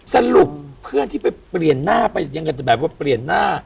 สรุปเพื่อนที่ไปเปลี่ยนหน้าไปยังกันจะแบบว่าเปลี่ยนหน้า